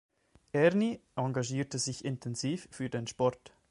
Erni engagierte sich intensiv für den Sport.